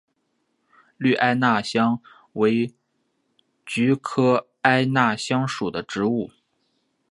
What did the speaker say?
绿艾纳香为菊科艾纳香属的植物。